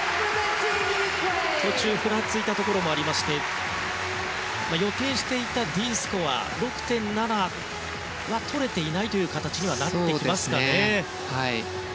途中、ふらついたところもありまして予定していたＤスコア６．７が取れていないという形になりますかね。